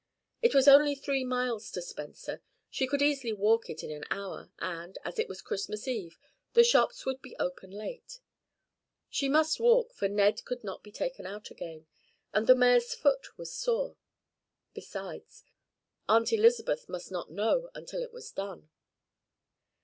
It was only three miles to Spencer; she could easily walk it in an hour and, as it was Christmas Eve, the shops would be open late. She muse walk, for Ned could not be taken out again, and the mare's foot was sore. Besides, Aunt Elizabeth must not know until it was done.